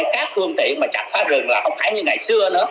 vì hiện nay các phương tiện mà chặt phá rừng là không phải như ngày xưa nữa